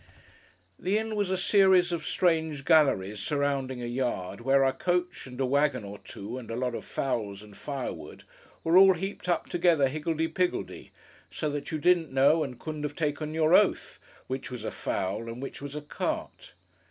The inn was a series of strange galleries surrounding a yard where our coach, and a waggon or two, and a lot of fowls, and firewood, were all heaped up together, higgledy piggledy; so that you didn't know, and couldn't have taken your oath, which was a fowl and which was a cart.